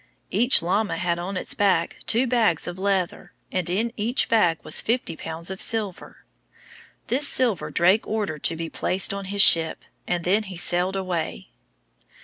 Each llama had on its back two bags of leather, and in each bag was fifty pounds of silver. This silver Drake ordered to be placed on his ship, and then he sailed away.